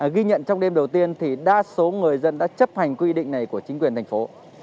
ghi nhận trong đêm đầu tiên thì đa số người dân đã chấp hành quy định này của chính quyền thành phố